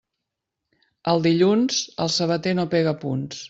El dilluns, el sabater no pega punts.